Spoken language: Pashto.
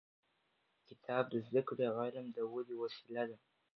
کتاب د زده کړې او علم د ودې وسیله ده.